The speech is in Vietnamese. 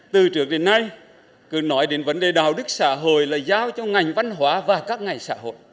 từ trước đến nay cứ nói đến vấn đề đạo đức xã hội là giao cho ngành văn hóa và các ngành xã hội